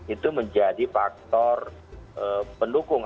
itu menjadi faktor pendukung